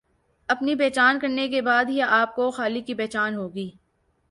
اپنی پہچان کرنے کے بعد ہی آپ کو خالق کی پہچان ہوگی۔